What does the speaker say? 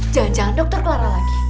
jangan jangan dokter clara lagi